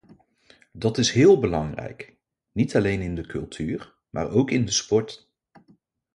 Dat is heel belangrijk, niet alleen in de cultuur, maar ook in de sport.